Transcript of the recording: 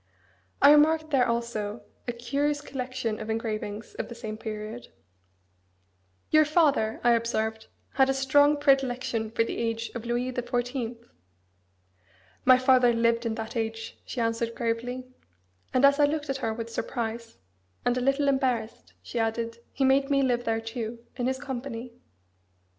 I remarked there also a curious collection of engravings of the same period. "Your father," I observed, "had a strong predilection for the age of Louis the Fourteenth." "My father lived in that age," she answered gravely. And as I looked at her with surprise, and a little embarrassed, she added, "He made me live there too, in his company."